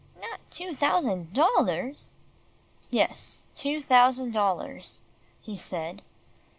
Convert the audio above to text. "Not two thousand dollars." "Yes, two thousand dollars," he said.